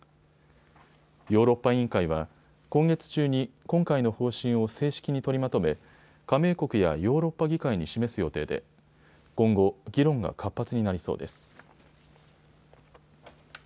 ヨーロッパ委員会は今月中に今回の方針を正式に取りまとめ加盟国やヨーロッパ議会に示す予定で今後、議論が活発になりそうです。